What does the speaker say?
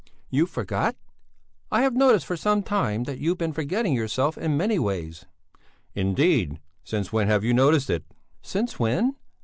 "You forgot? I have noticed for some time that you've been forgetting yourself in many ways." "Indeed? Since when have you noticed it?" "Since when?